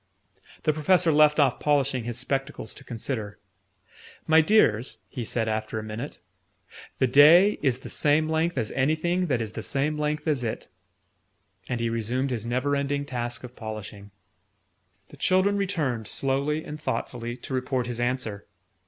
The Professor left off polishing his spectacles to consider. "My dears," he said after a minute, "the day is the same length as anything that is the same length as it." And he resumed his never ending task of polishing. The children returned, slowly and thoughtfully, to report his answer.